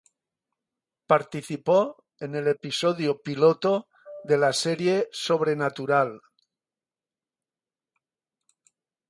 Participó en el episodio piloto de la serie "Sobrenatural".